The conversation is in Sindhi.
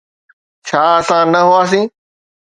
ڇا اسان نه هئاسين؟